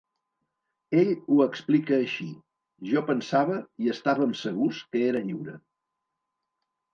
Ell ho explica així: Jo pensava i estàvem segurs que era lliure.